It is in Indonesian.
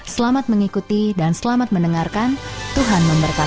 selamat mengikuti dan selamat mendengarkan tuhan memberkati